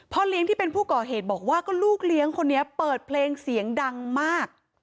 เลี้ยงที่เป็นผู้ก่อเหตุบอกว่าก็ลูกเลี้ยงคนนี้เปิดเพลงเสียงดังมาก